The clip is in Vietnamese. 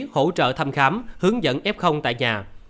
hỗ trợ thăm khám hướng dẫn f tại nhà